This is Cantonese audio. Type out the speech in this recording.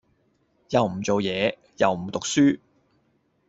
又唔做嘢又唔讀書